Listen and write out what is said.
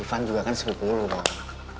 ivan juga kan sepupu lo mon